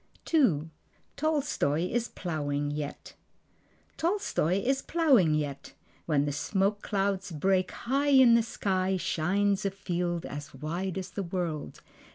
II. Tolstoi Is Plowing Yet Tolstoi is plowing yet. When the smoke clouds break, High in the sky shines a field as wide as the world.